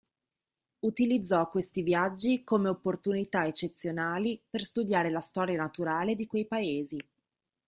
Utilizzò questi viaggi come opportunità eccezionali per studiare la storia naturale di quei Paesi.